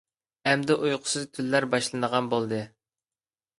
ئەمدى ئۇيقۇسىز تۈنلەر باشلىنىدىغان بولدى.